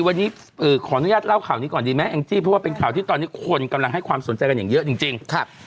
วันนี้ขออนุญาตเล่าข่าวนี้ก่อนดีไหมแองจี้เพราะว่าเป็นข่าวที่ตอนนี้คนกำลังให้ความสนใจกันอย่างเยอะจริงครับ